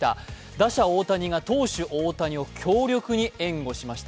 打者・大谷が投手・大谷を強力に援護しました。